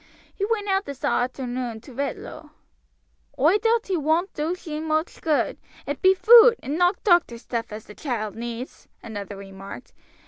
He went out this arternoon to Retlow." "Oi doubt he woant do she much good; it be food, and not doctor's stuff as the child needs," another remarked.